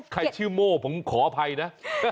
ใครชื่อโม่ผมขออภัยนะ